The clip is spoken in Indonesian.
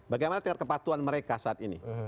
bagaimana dengan kepatuan mereka saat ini